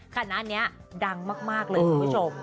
คณะนี้ดังมากเลยคุณผู้ชม